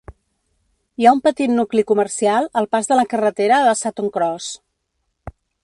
Hi ha un petit nucli comercial al pas de la carretera de Sutton Cross.